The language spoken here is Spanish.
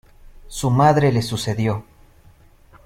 Su madre le sucedió.